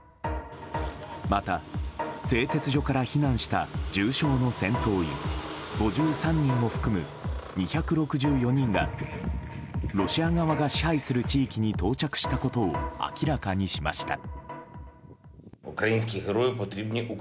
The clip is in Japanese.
また、製鉄所から避難した重傷の戦闘員５３人を含む２６４人がロシア側が支配する地域に到着したことを明らかにしました。